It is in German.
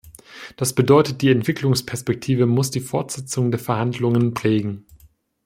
Das bedeutet, die Entwicklungsperspektive muss die Fortsetzung der Verhandlungen prägen.